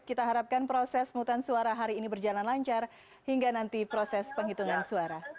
kita harapkan proses mutan suara hari ini berjalan lancar hingga nanti proses penghitungan suara